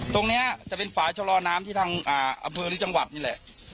ตรงนี้จะเป็นฝ่ายชะลอน้ำที่ทางอำเภอหรือจังหวัดนี่แหละ